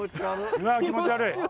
うわ気持ち悪い。